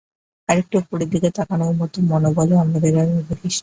আরেকটু ওপরের দিকে তাকানোর মতো মনোবলও আমাদের আর অবশিষ্ট নেই।